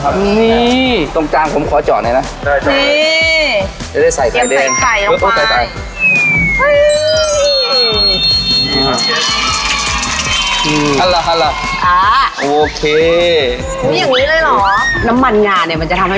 พูดถึงเนื้ออีกแล้วมีเนื้ออีกไหมคะ